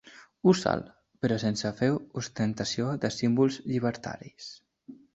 Usa'l, però sense fer ostentació de símbols llibertaris.